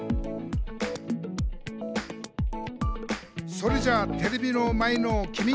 「それじゃテレビの前のきみ！」